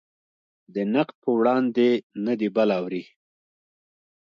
د نقد پر وړاندې نه د بل اوري.